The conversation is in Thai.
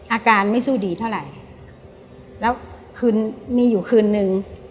อาการไม่สู้ดีเท่าไหร่แล้วคืนมีอยู่คืนนึง